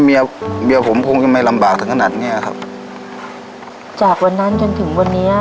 เมียเมียผมคงจะไม่ลำบากถึงขนาดเนี้ยครับจากวันนั้นจนถึงวันนี้